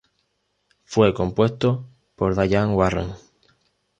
Fue compuesto por Diane Warren.